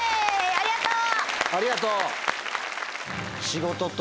ありがとう。